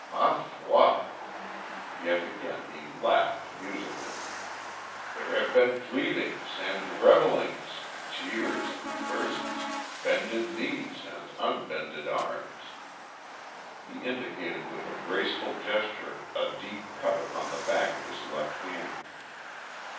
Ma foi!" Yet again he laughed, musically. "There have been pleadings, and revilings tears, and curses bended knees, and unbended arms." He indicated with a graceful gesture a deep cut upon the back of his left hand.